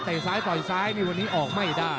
แต่ซ้ายต่อยซ้ายนี่วันนี้ออกไม่ได้